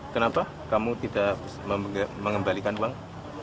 kenapa kamu tidak mengembalikan uang